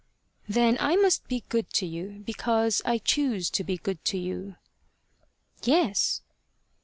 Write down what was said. "Then I must be good to you because I choose to be good to you." "Yes."